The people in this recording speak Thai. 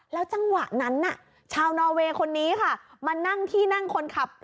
แล้วจังหวะนั้นน่ะชาวนอเวย์คนนี้ค่ะ